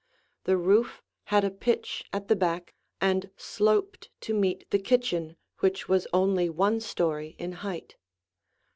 The roof had a pitch at the back and sloped to meet the kitchen, which was only one story in height.